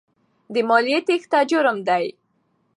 د مالیې تېښته جرم دی.